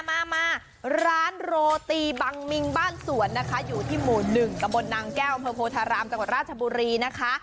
มามาร้านโรตีบังมิงบ้านสวนนะคะอยู่ที่หมู่๑ตะบนนางแก้วอำเภอโพธารามจังหวัดราชบุรีนะคะ